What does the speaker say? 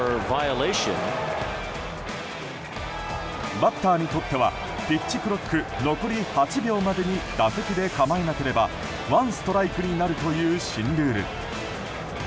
バッターにとってはピッチクロック残り８秒までに打席で構えなければワンストライクになるという新ルール。